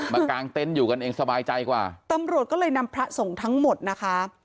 กลางเต็นต์อยู่กันเองสบายใจกว่าตำรวจก็เลยนำพระสงฆ์ทั้งหมดนะคะ